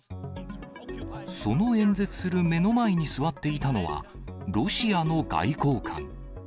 その演説する目の前に座っていたのは、ロシアの外交官。